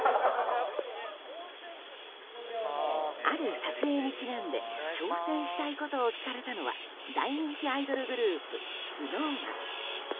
ある撮影にちなんで挑戦したいことを聞かれたのは大人気アイドルグループＳｎｏｗＭａｎ。